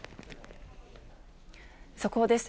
速報です。